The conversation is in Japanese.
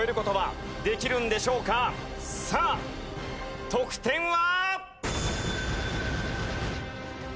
さあ得点は！？